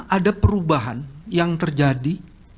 ada perubahan yang terjadi